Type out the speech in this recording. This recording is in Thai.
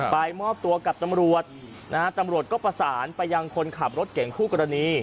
ไปมอบตัวกับตำรวจนะฮะตำรวจก็ประสานไปยังคนขับรถเก่งคู่กรณี